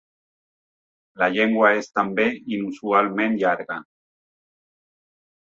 La llengua és també inusualment llarga.